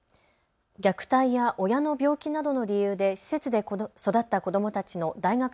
虐待や親の病気などの理由で施設で育った子どもたちの大学